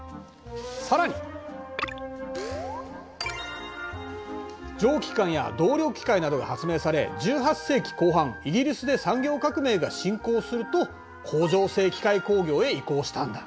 さらに蒸気機関や動力機械などが発明され１８世紀後半イギリスで産業革命が進行すると工場制機械工業へ移行したんだ。